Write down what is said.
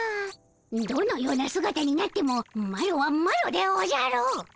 どのようなすがたになってもマロはマロでおじゃる。